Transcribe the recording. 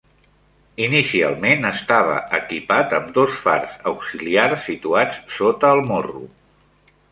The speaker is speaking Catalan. Inicialment estava equipat amb dos fars auxiliars situats sota el morro.